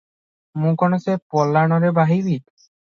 ମୁଁ କଣ ସେ ପଲାଣରେ ବାହିବି?